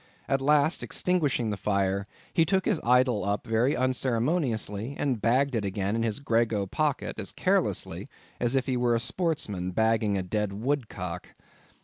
At last extinguishing the fire, he took the idol up very unceremoniously, and bagged it again in his grego pocket as carelessly as if he were a sportsman bagging a dead woodcock.